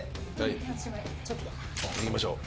いきましょう。